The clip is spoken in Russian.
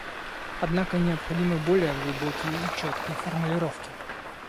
Однако необходимы более глубокие и четкие формулировки.